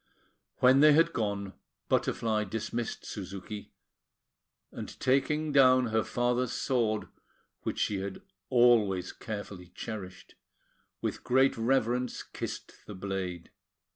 When they had gone, Butterfly dismissed Suzuki, and, taking down her father's sword, which she had always carefully cherished, with great reverence kissed the blade.